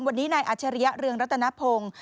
วันนี้นายอัชริยะเรืองรัตนพงศ์